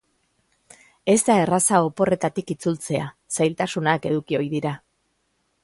Ez da erraza oporretatik itzultzea, zailtasunak eduki ohi dira.